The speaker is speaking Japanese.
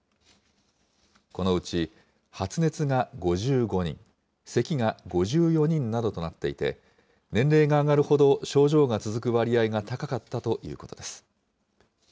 このうち発熱が５５人、せきが５４人などとなっていて、年齢が上がるほど症状が続く割合が高かったということです。